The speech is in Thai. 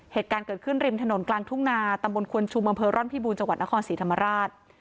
เหตุการณ์เกิดขึ้นริมถนนกลางทุ่งนาตำบลควนชุมอำเภอร่อนพิบูรจังหวัดนครศรีธรรมราช